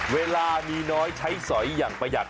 เวลามีน้อยใช้สอยอย่างประหยัด